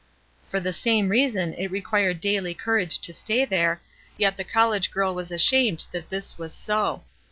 For the same reason it required daily courage to stay there, yet the college girl was ashamed that this was so.